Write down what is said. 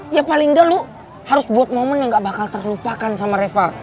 ya paling gak lu harus buat momen yang gak bakal terlupakan sama reva